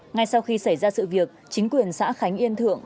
ngay sau khi xảy ra sự việc chính quyền xã khánh yên thượng